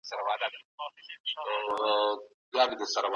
حضرت علي رضي الله عنه فرمايي، زه پسي ورغلم.